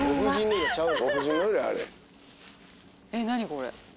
これ。